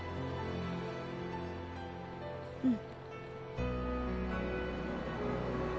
うん。